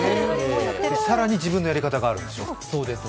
更に自分のやり方があるんでしょ？